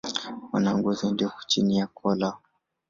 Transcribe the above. Wana ngozi ndefu chini ya koo lao.